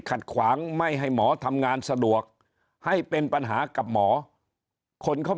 ขัดขวางไม่ให้หมอทำงานสะดวกให้เป็นปัญหากับหมอคนเขา